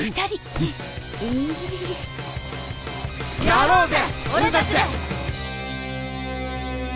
やろうぜ俺たちで！